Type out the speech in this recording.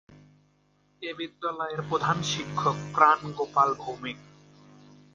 এ বিদ্যালয়ের প্রধান শিক্ষক প্রাণ গোপাল ভৌমিক।